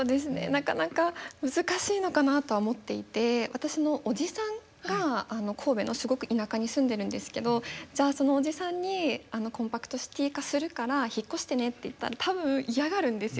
なかなか難しいのかなとは思っていて私のおじさんが神戸のすごく田舎に住んでるんですけどじゃあそのおじさんにコンパクトシティ化するから引っ越してねって言ったら多分嫌がるんですよ。